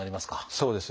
そうですね。